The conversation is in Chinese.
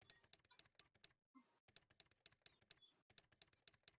自起点至交叉口之路段属于四车道高速公路。